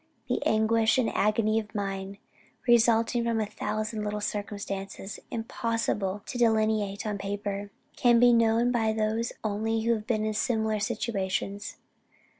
The anguish, the agony of mind, resulting from a thousand little circumstances impossible to delineate on paper, can be known by those only who have been in similar situations.